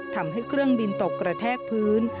ทำให้เครื่องบินตกกระแทกพื้น